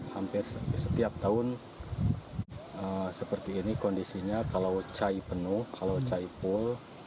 hampir setiap tahun seperti ini kondisinya kalau cai penuh kalau caipul